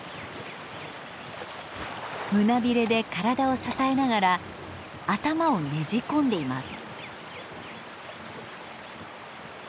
胸びれで体を支えながら頭をねじ込んでいます。